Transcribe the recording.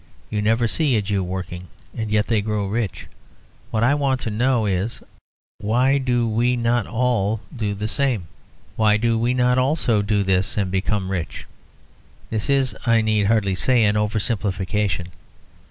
You never see a Jew working; and yet they grow rich. What I want to know is, why do we not all do the same? Why do we not also do this and become rich?" This is, I need hardly say, an over simplification.